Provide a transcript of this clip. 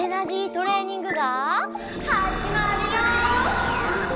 トレーニングがはじまるよ！